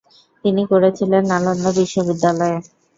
তিনি করেছিলেন নালন্দা বিশ্ববিদ্যালয়ে।